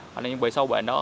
hoặc là bị sâu bệnh đó